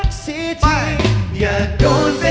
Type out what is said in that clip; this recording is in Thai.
ขอเชิญอาทิตย์สำคัญด้วยค่ะ